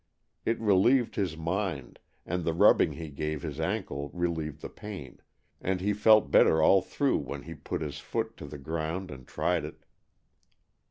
It relieved his mind, and the rubbing he gave his ankle relieved the pain, and he felt better all through when he put his foot to the ground and tried it.